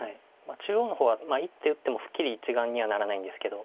中央の方は１手打ってもすっきり１眼にはならないんですけど。